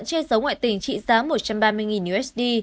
trên số ngoại tình trị giá một trăm ba mươi usd